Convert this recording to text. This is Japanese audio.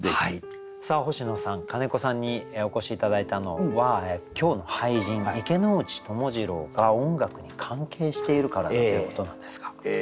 さあ星野さん金子さんにお越し頂いたのは今日の俳人池内友次郎が音楽に関係しているからということなんですが。